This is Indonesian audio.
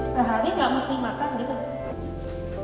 sehari nggak mesti makan gitu